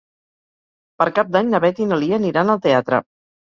Per Cap d'Any na Beth i na Lia aniran al teatre.